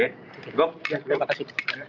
ya pak terima kasih